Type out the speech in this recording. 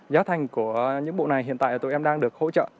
giá thành của những bộ này hiện tại là tụi em đang được hỗ trợ